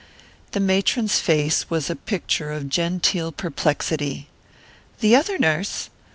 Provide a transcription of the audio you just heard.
The matron's face was a picture of genteel perplexity. "The other nurse?